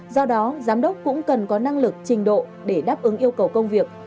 do đó giám đốc cũng cần có năng lực trình độ để đáp ứng yêu cầu công việc